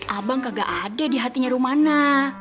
abang kagak ada di hatinya rumana